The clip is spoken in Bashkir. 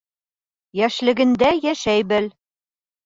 Йәшлегендә йәшәй бел.